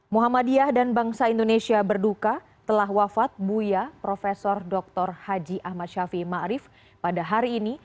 muhammadiyah dan bangsa indonesia berduka telah wafat buya prof dr haji ahmad syafi ma arif pada hari ini